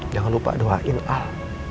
jangan lupa doain al